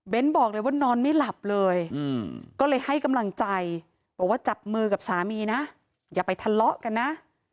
บอกเลยว่านอนไม่หลับเลยก็เลยให้กำลังใจบอกว่าจับมือกับสามีนะอย่าไปทะเลาะกันนะ